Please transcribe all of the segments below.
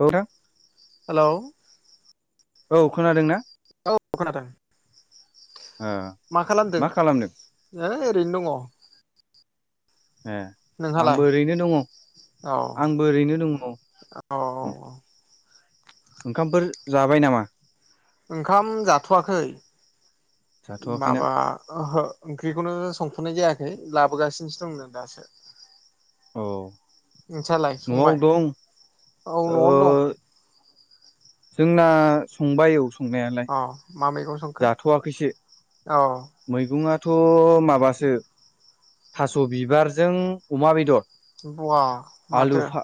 औ [unintelligible] हेलौ औ खोनादों ना? औ खोनादों ओ मा खालामदों [unintelligible] ओरैनो दङ। ए नोंहालाय आंबो ओरैनो दङ औ आंबो ओरैनो दङ। औ ओंखामफोर जाबाय नामा? ओंखाम जाथवाखै जाथ'वाखैना माबा [unintelligible] ओंख्रिखौनो संथनाय जायाखै लाबोगासिनोसो दंनो दासो। औ नोंसालाय नआव संबाय दं औ न'आवनो दं जोंना संबाय औ संनायालाय अ मा मैगं संखो? औ मैगंङा थ माबासो थास बिबारजों अमा बेदर बवा आलु माथो फा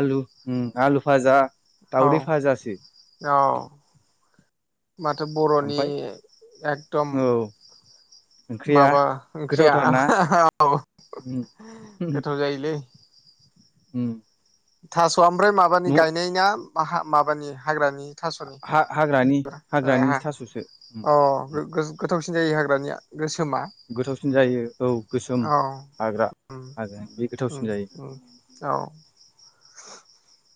आलु उम आलु भाजा औ दावदै भाजासो औ माथो बर'नि एकदम औ ओंख्रिया माबा ओंख्रिया गोथावथार ना औ उम गोथाव जायोलै उम थास स' ओमफ्राय माबानि न' गायनाय ना हा माबानि हाग्रानि थास'नि हा-हा-हाग्रानि हाग्रानि ए थास'सो अ उम गोथावसिन जायो हाग्रानिया गो गोथावसिन जायो औ गोसोम औ हाग्रा उम आरो बे उम गोथावसिन जायो। उम औ [inaudible]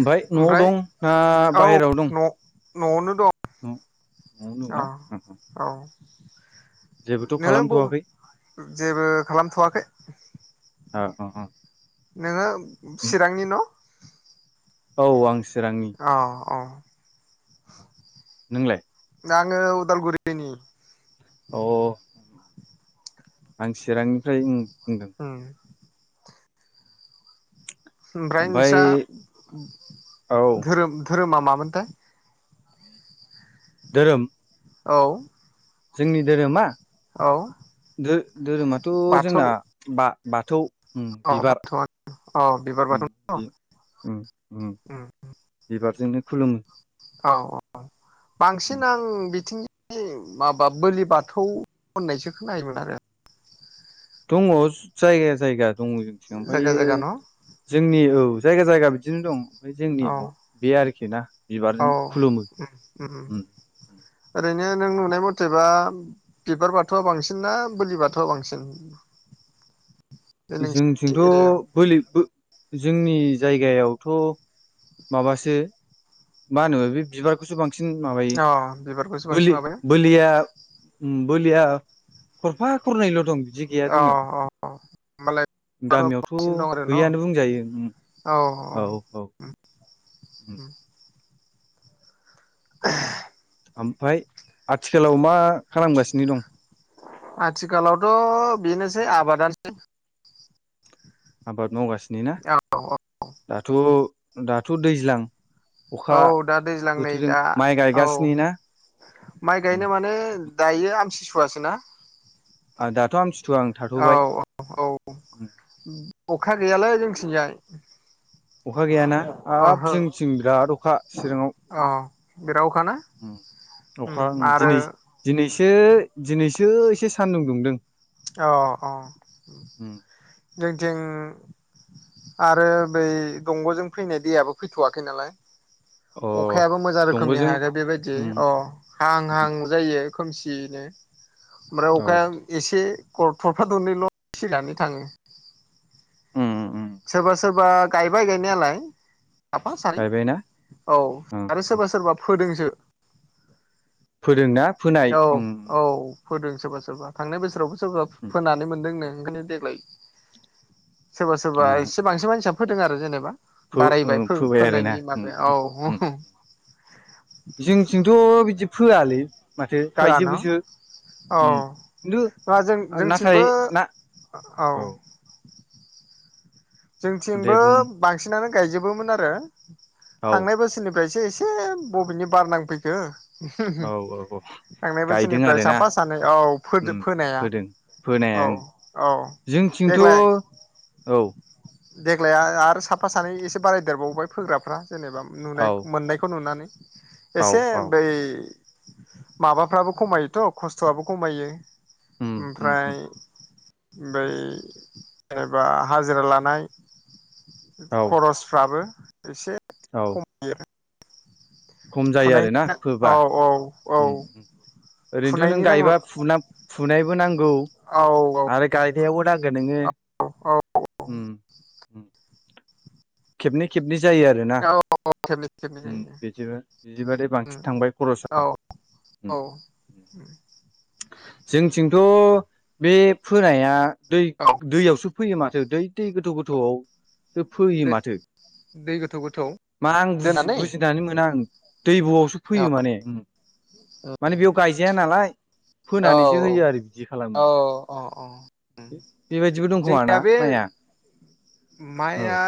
ओमफाय न'आव ओमफ्राय दं ना बाहेरायाव दं न'आव नो दं अ औ जेबोथ' [inaudible] नोङो ब खालामथ'वाखै जेबो खालामथ'वाखै [inaudible] ओ अ अ नोङो चिरांनि न' औ सि अ अ नोंलाय आङो उदालगुरिनि अ आं चिरांनिफ्राय उम बुंदों उम ओमफ्राय नोंस्रा औ धोरोम धोरोमा मामोनथाय दोरोम औ जोंनि धोरोमा औ धोरोमाथ' जोंना बा बाथौ अ बिबार बाथौ अ बिबार उम बाथौ न बि उम, बिबारजोंनो खुलुमो औ औ बांसिन आं बिथिं [unintelligible] माबा बोलि बाथौ होननायसो खोनायोमोन आरो दंङ जायगा जायगा, दंङ जोंनिथिं जायगा ओमफायो जायगा न' जोंनि औ जायगा जायगा बिदिनो दं ओमफाय औ जोंनिहाव बे आरोखि ना औ बिबारजों खुलुमो उम ओरैनो नों नुनाय मथेबा बिबार बाथौआ बांसिन ना बोलि बाथौआ बांसिन, बे नोंसिनि जोंथिंथ' एरियायाव बोलि बो जोंनि जायगायावथ' माबासो, मा होनो बे बिबारखौसो बां सिन माबायो अ बिबारखौसो बांसिन बोलि माबायो बोलिया उम बोलिया खरफा खरनैल' दं बिदि गैया अ अ होमबालाय जोंनियाव गामियावथ' बांसिन दं आरो न' गैयानो बुंजायो उम औ औ उम ओमफाय आथिखालाव मा खालामगासिनो दं। आथिखालावथ' बेनोसै आबादानोसै आबाद मावगा सिनो ना? औ औ दाथ' दाथ' दैज्लां अखा औ दा दैज्लां नै बोथोरजों दा माइ औ गायगासिनो ना माइ गायनो माने दायो आमथि सु सुवासो ना? ओ दाथ' आमथि औ औ औ अखा गैयालै जोंथिंजाय अखा गैयाना हाब ओहो जोंथिं बिराद अखा चिरांआव अ बिराव अखाना उम अखा उम दिनै दिनैसो दिनै सो एसे सान्दुं दुंदों। अ अ जोंथिं, आरो बै दंग'जों फैनाय दैयाबो फैथ'वाखै नालाय, अ अखायाबो मोजां रोखोमनि दंग'जों हायाखै बेबायदियै अ हाहां हाहां जायो। खोमसियैनो ओमफ्राय अखाया औ एसे खर थरफा दरनैल' सिनानै थांङो उम उम सोरबा सोरबा गायबाय गायनायालाय साफा सानै गायबायना औ आरो सोरबा सोरबा फोदोंसो फोदोंना फोनाय औ उम औ फोदों सोरबा सोरबा थांनाय बोसोरावबो सोरबा फोनानै मोनदोंनो ओंखायनो देग्लाय सोरबा सोरबा एसे बांसि मानसि फोदों आरो जेनेबा फो बारायबाय फो फोबाय फोनायनि माबाया औ आरोना जोंथिंथ' बिदि फोआलै माथो फोआ न गायजोबोसो औ उम खिन्थु ना जों नाथाय जोंथिंबो ना औ दे जोंथिंबो बुं बांसिनानो गायजोबोमोन आरो औ थांनाय बोसोरनि फ्रायसो एसे बबेनि बारनांफैखो औ औ औ थांनाय गायदों बोसोरनिफ्राय आरोना साफा सानै औ उम फोदो फोनाया फोदों फोनाया औ ओं औ जोंथिंथ' देग्लाय औ देग्लाया आरो साफा सानै एसे बारायदेरबावबाय फोग्राफ्रा जेनेबा औ नुनाय मोननायखौ नुनानै औ एसे औ बै माबाफ्राबो खमायोथ' खस्थ'आबो खमायो उम उम उम ओमफ्राय बै जेनेबा हाजिरा लानाय औ [inaudible] खरसफ्राबो एसे औ खमायो खम जायो फुनाय आरोना फोबा औ औ औ उम ओरैनोथ' नों फुनायनि नांला गायबा फुना फुनायबो नांगौ औ आरो गायनायावबो नांगोन नोंङो औ औ उम उम खेबनै खेबनै जायो आरोना औ औ खेबनै खेबनै उम जायो बिदि बिदिबाथाय बांसिन थांबाय खरसा औ उम औ जोंथिंथ' बे फोनाया दै औ दैयावसो फैयो माथो दै- दै गोथौ गोथौआव। जो फोयो दै माथो दै गोथौ गोथौ मा आं बुजि दोनानै बुजिनानै मोना आं। दैबुआवसो औ फोयो माने। माने बेयाव गायजाया नालाय औ फोनानैसो होयो आरो बिदि खालामो औ औ औ औ बेबायदिबो दंखोमा ना जोंनिया बे माइया औ माइआ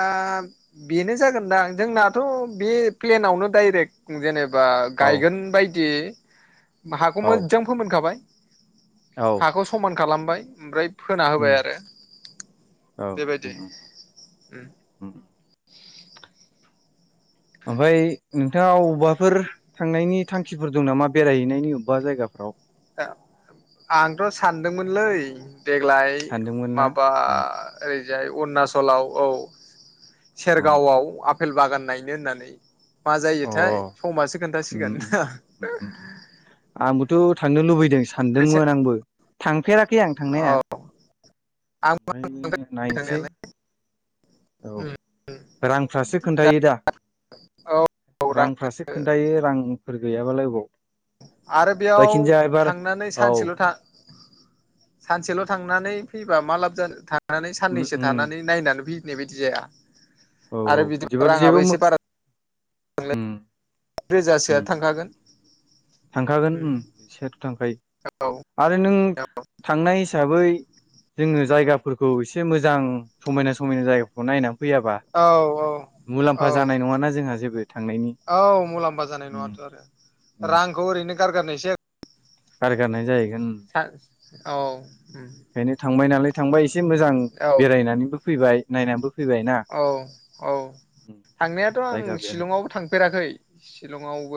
बेनो जागोनदां जोंनाथ' बे प्लेनावनो डाइरेक्ट जेने बा औ गायगोन बाय दि हाखौ औ मोजां फोमोन खाबाय औ हाखौ समान खालामबाय ओमफ्राय फोना उम होबाय आरो औ बेबायदि उम उम ओम। उम ओमफाय नोंथाङा अबबाफोर थांनायनि थांखिफोर दं नामा बेरायहैनायनि अबबा जायगाफोराव? ओ आंथ' सानदोंमोनलै देग्लाय सानदोंमोन ना माबा उम ओरै जाय अरुणचलाव औ। उम सेरगावआव आब आपेल बागान नायनो होननानै। मा अ जायोथाय? समासो खोनथासिगोन [unintelligible] आंबोथ' थांनो लुबैदों। फैसा सानदोंमोन आंबो। थांफेरा खै आं थांनाया औ आं ओमफाय नायनोसै थांनायालाय औ रांफ्रासो खोन्थायो दा। औ औ रां रांफ्रासो खोन्थायो रां फोर गैयाबालाय अबाव। आरो बेयाव जायखिजाया एबार थांनानै औ सानसेल' था सानसेल' थांनानै फैबा मा लाब जानो था नानै साननैसो उम थानानै नायनानै फै बेबायदि जाया। आरो बिदिबा राङाबो एसे बारा होम। रोजासोआ थांखागोन। थांखागोन ओम सेरथामखाय आरो नों थांनाय हिसाबै जोंङो जायगाफोरखौ एसे मोजां समायना समायना जायगाफोरखौ नायना औ औ औ जानाय नङाना जोंहा जेबो थांनायनि औ मुलाम्फा जानाय उम नङाथ' आरो रांखौ उम ओरैनो गारगारनायसो जा गारगारनाय जायो औ ओंखायनो थांबाय नालाय थांबाय ए एसे मोजां औ बेरायनानैबो फैबाय नायनाबो औ औ थांनायाथ आं जायगा बेराय शिलंआवबो थांफेराखै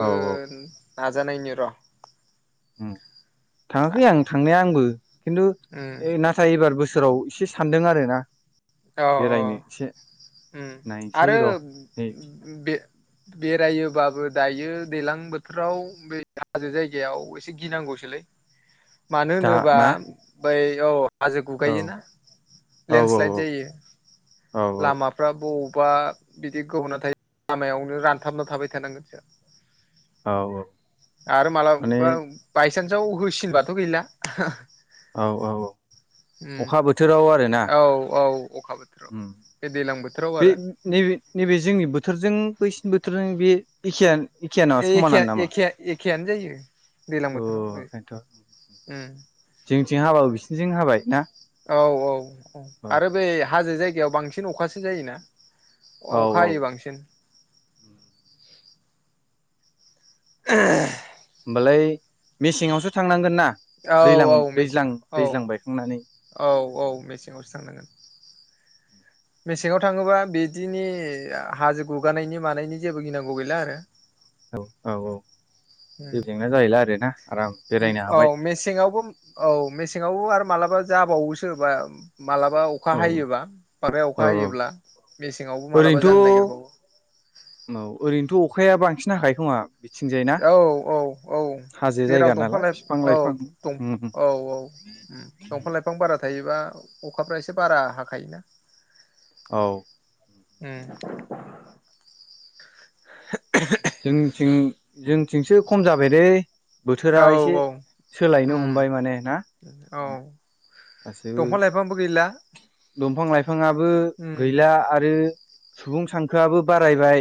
औ औ नाजानायनि र होम थांङाखै आं थांनाया आंबो खिन्थु नाथाय एबार बो सोराव एसे सानदों आरोना अ अ बेरायनो एसे ओम नायनोसै आरो र' नै बे बेरायोबाबो दायो दैलां बोथोराव बे हाजो जायगायाव एसे गिनांगौसोलै मानो दा होनोबा ना बै अ हाजो औ गुगायोना औ औ लेन्डस्लाइड जायो औ औ लामाफ्रा ब बा बिदि गोब'ना थायो लामायावनो रानथाबना थाबाय थानांगोनसो औ औ आरो माने मालाबा बायसान्साव होसिनबाथ' गैला हा औ औ औ ओम अखा बोथोराव आरोना औ औ अखा बोथोराव उम बे दैज्लां बो बे नैबे नैबे जोंनि बोथोर जों बैसनि बोथोरजों बे एखेयानो एखेयानो नामा एखे समानानो नामा -एखे आनो जायो दैज्लां अ बोथोराव ओंखायनोथ' ओम जोंथिं हाबाबो बिसिनिथिं हाबाय ना औ औ। औ आरो बै हाजो जाय गायाव बांसिन अखासो जायोना। औ अखा हायो बांसिन। [unintelligible] होमबालाय मेसेंआवसो थांनांगोन ना औ दैलां औ मेसें दैज्लां औ दैज्लां बायखांनानै औ औ मेसेङावसो थांनांगोन। मेसेङाव थाङोबा बिदिनि हाजो गुगानायनि मानायनि जेबो गिनांगौ गैला आरो। औ औ औ जेबो जेंना जाहैला आरो ना। औ मेसेंआवबो औ मेसें सेंआवबो आरो मालाबा जाबावो सो बा मा्लाबा अखा औ हायोबा माबाया औ अखा हायोब्ला मेसेङावबो मालाबा जानो ओरैनोथ' नागिरबावो। औ ओरैनोथ' अखाया बांसिन हाखायो खोमा? बिथिंजाय ना औ औ औ हाजो जेराव जायगा दंफां नालाय बिफां लाइफां उम औ औ औ दंफां लाइफां बारा थायोबा अखाफ्रा एसे बारा हाखायोना औ। उम जोंनिथिं जोंथिंसो खम जाबाय दैे बोथोरा औ एसे औ सोलायनो हमबाय माने ना? औ गासिबो दंफां लाइफांबो गैला दंफां लाइफाङाबो गैला आरो सुबुं सानखोआबो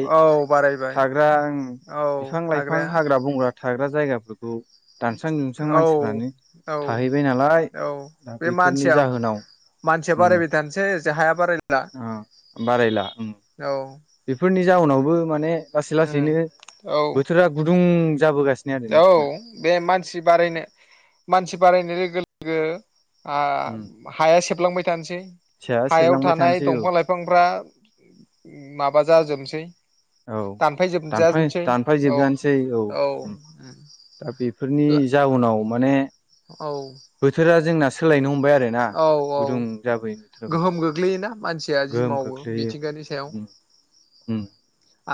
औ। बारायबाय गां औ बिफां- लाइफां थाग्राया हाग्रा -बंग्रा थाग्रा जायगाफोरखौ दानस्रां दुमस्रां औ मानसिफ्रानो औ थाहैबाय नालाय औ दा बे बेफोरनि मानसिया जाहोनाव मानसिया उम बारायबाय थानोसै जे हाया बारायला ओ बारायला उम औ। बेफोरनि बे जाउनावबो माने लासै- उम लासैनो औ बोथोरा गुदुं जाबोगासिनो आरोना औ जोंना बे मानसि बारायनो मानसि बारायनाय लोगो -लोगो आ उम हाया सेफलांबाय। दानसै साया हायाव सेबलांबाय थानाय थानोसै औ दंफां लाइफांफ्रा माबा जाजोबसै औ दानफाय दानफाय जोबजानोसै औ। ए फोरनि जाउनाव माने औ बोथोरा जोंना सोलायनो हम औ औ बोथोराबाय गोहोम गोग्लैयोना मानसिया जि गोहोम मावो खोख्लैयो मिथिंगानि सायाव। उम उम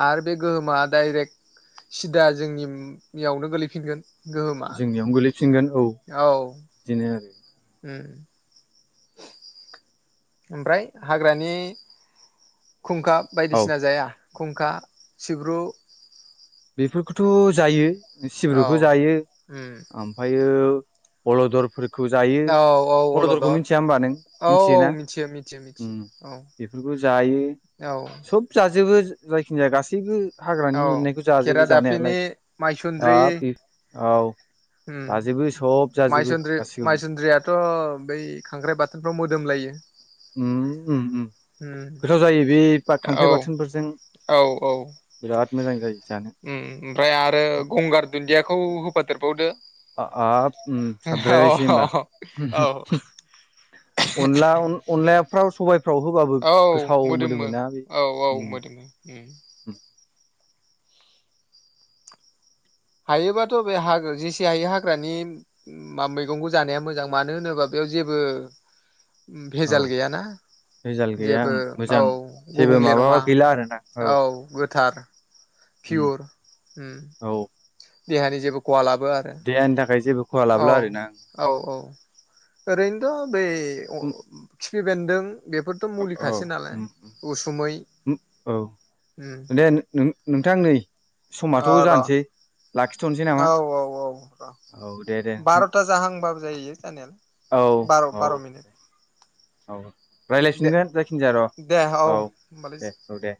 आरो बे गोहोमा डाइरेक्ट सिदा जोंनियावनो गोलैफिनगोन गोहोमा जोंनियावनो गोलैफिनगोन औ बिदिनो आरो। उम ओमफ्राय हाग्रानि खुंखा औ बायदिसिना जाया खुंखा सिब्रु बेफोरखौथ जायो। औ सिब्रुखौ जायो उम ओमफायो अलदर फोर खौ जायो औ औ अलदरखौ अलदर मिथिया होमबा नों औ औ मिथियोना मिथियो मिथियो उम मिथियो औ बेफोरखौ जायो औ सब जाजोबो। जायखिजाया गासैबो हाग्रानि औ मोननायखौ जाजोबो जानायालाय खेरादाफिनि माइसुन्द्रि हाब औ उम जाजोबो सब जाजोबो माइसुनद्रि गासिखौबो मायसुन्द्रियाथ बै खांख्राइ बाथोनफ्राव मोदोम लायो। उम उम उम उम गोथाव जायो बे खांख्राइ औ बाथोनफोरजों औ औ बिराद मोजां जायो जानो उम ओमफ्राय आरो गंगार दुन्दियाखौ होफादेर बावदो हाब उम साबद्रायबायसो होमबा औ अनला अन-अनलाया फ्राव सबाय औ मोदोमो औ औ मोदोमो। हायोबाथ बे हा गो जेसे हायो हाग्रानि मा मैगंखौ जानाया मोजां मानो होनोबा बेयाव जेबो। औ भेजाल गैयाना रिजाल गैया जेबो ओं औ मोजां जेबो गुबुंले माबा नङा गैला आरोना औ गो थार फियर औ देहानि जेबो खहा लाबोआ आरो देहानि थाखाय जेबो खहा औ लाबोला आरोना औ औ। ओरैनोथ' बे खिफि बेन्दों बेफोरथ' औ औ मुलिखासो नालाय उम उसुमै उम औ उम दे नों-नोंथां नै समाथ' अ र' जानसै। औ औ औ र' औ दे दे नोंथां बार'था जाहांबाबो जायो औ जानायालाय बार' औ बार' मिनिट। औ दे रायज्लायफिनगोन जायखिनजाया र' दे औ होमबालाय दे औ दे।